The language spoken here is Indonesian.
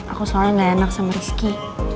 aku soalnya gak enak sama rizky